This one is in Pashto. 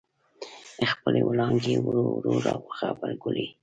خپلې وړانګې یې ورو ورو را غبرګولې.